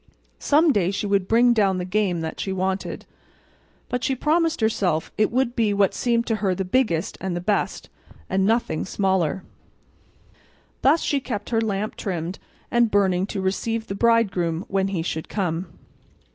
Some day she would bring down the game that she wanted; but she promised herself it would be what seemed to her the biggest and the best, and nothing smaller. Thus she kept her lamp trimmed and burning to receive the bridegroom when he should come.